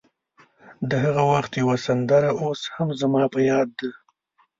د هغه وخت یوه سندره اوس هم زما په یاد ده.